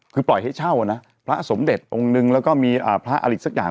คือปล่อยให้เช่านะพระสมเด็จองค์นึงแล้วก็มีพระอะไรสักอย่าง